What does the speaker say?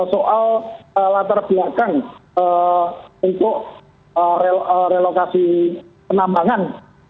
soal latar belakang untuk relokasi penambangan